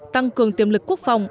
tăng cường tiềm lực quốc phòng